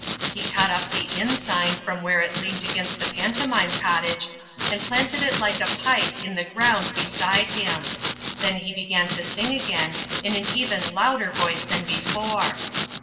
He caught up the mn sign from where it leant against the Pantomime Cottage, and planted it like a pike in the ground beside him. Then he began to sing again, in an even louder voice than before.